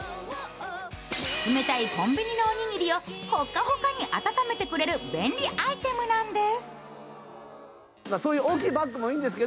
冷たいコンビニのおにぎりをほかほかに温めてくれる便利アイテムなんです。